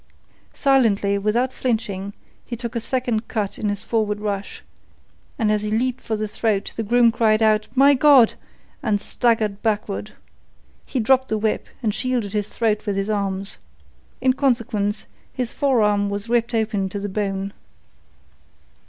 Silently, without flinching, he took a second cut in his forward rush, and as he leaped for the throat the groom cried out, "My God!" and staggered backward. He dropped the whip and shielded his throat with his arms. In consequence, his forearm was ripped open to the bone.